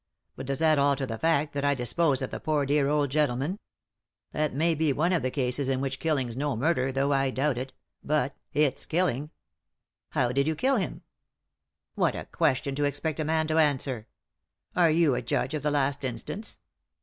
But does that alter the fact that I disposed of the poor dear old gentleman ? That may be one of the cases in which killing's no murder, though I doubt it ; but — it's killing." " How did you kill him ?"" What a question to expect a man to answer I Are you a judge of the last instance